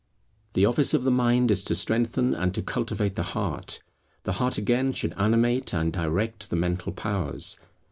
The office of the mind is to strengthen and to cultivate the heart; the heart again should animate and direct the mental powers.